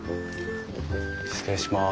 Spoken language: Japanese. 失礼します。